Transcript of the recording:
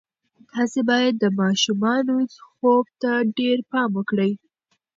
تاسې باید د ماشومانو خوب ته ډېر پام وکړئ.